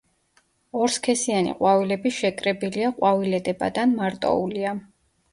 ორსქესიანი ყვავილები შეკრებილია ყვავილედებად ან მარტოულია.